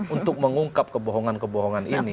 untuk mengungkap kebohongan kebohongan ini